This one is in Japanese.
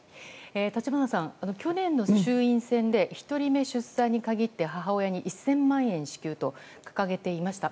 立花さん、去年の衆院選で１人目出産について母親に１０００万円支給と掲げていました。